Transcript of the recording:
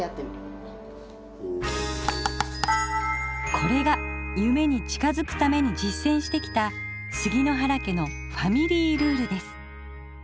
これが夢に近づくためにじっせんしてきた杉之原家のファミリールールです。